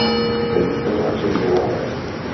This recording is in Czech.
Ten se vrátil z Milána.